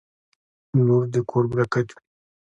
• لور د کور برکت وي.